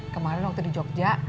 kemarin waktu di jogja